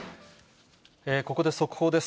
ここで速報です。